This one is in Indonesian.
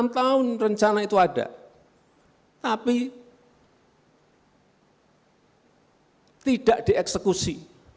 enam tahun rencana itu ada tapi tidak dieksekusi